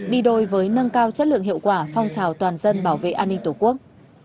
đi đôi với nâng cao chất lượng hiệu quả phong trào toàn dân bảo vệ an ninh tổ quốc